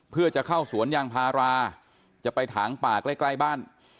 เพื่อจะเข้าสวนยางพาราจะไปถางป่าใกล้ใกล้บ้าน